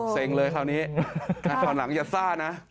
เสร็จเลยคราวนี้คราวหนังอย่าซ่านะ